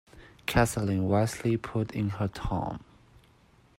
Catherine wisely put in her tongue.